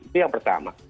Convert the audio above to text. itu yang pertama